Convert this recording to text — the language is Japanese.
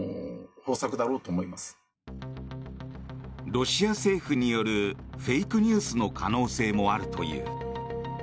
ロシア政府によるフェイクニュースの可能性もあるという。